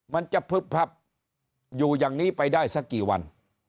มันจะพึบพับอยู่อย่างนี้ไปได้สักกี่วัน